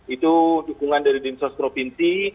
itu dukungan dari dinas sosial provinsi